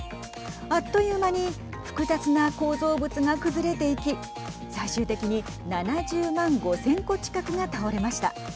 あっという間に複雑な構造物が崩れていき、最終的に７０万５０００個近くが倒れました。